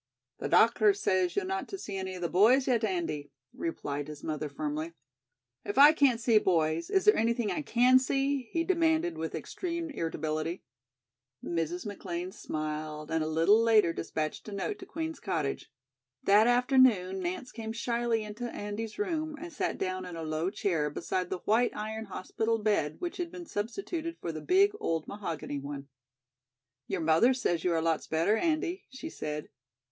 "The doctor says you're not to see any of the boys yet, Andy," replied his mother firmly. "If I can't see boys, is there anything I can see?" he demanded with extreme irritability. Mrs. McLean smiled and a little later dispatched a note to Queen's Cottage. That afternoon Nance came shyly into Andy's room and sat down in a low chair beside the white iron hospital bed which had been substituted for the big old mahogany one. "Your mother says you are lots better, Andy," she said.